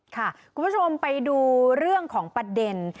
คุณผู้ชมไปดูเรื่องของประเด็น